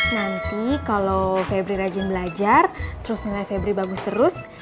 nanti kalau febri rajin belajar terus nilai febri bagus terus